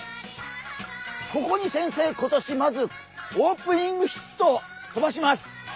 ここに先生今年まずオープニングヒットを飛ばします。